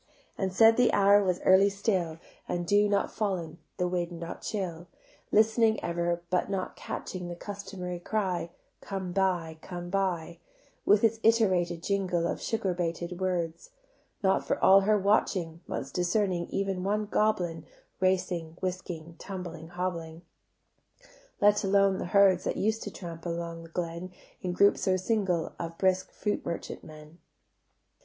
And said the hour was early still The dew not fall'n, the wind not chill; Listening ever, but not catching The customary cry, "Come buy, come buy," With its iterated jingle Of sugar baited words: Not for all her watching Once discerning even one goblin Racing, whisking, tumbling, hobbling; Let alone the herds That used to tramp along the glen, In groups or single, Of brisk fruit merchant men.